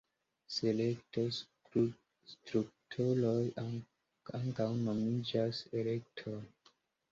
Selekto-strukturoj ankaŭ nomiĝas elektoj.